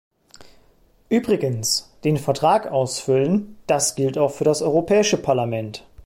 Übrigens, den Vertrag ausfüllen, das gilt auch für das Europäische Parlament.